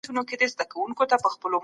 فلجي ناروغ خبرې سم نه شي کولای.